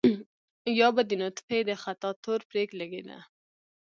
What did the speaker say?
يا به د نطفې د خطا تور پرې لګېده.